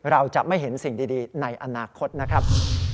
เราจะไม่เห็นสิ่งดีในอนาคตนะครับ